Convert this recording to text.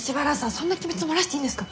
そんな機密漏らしていいんですか？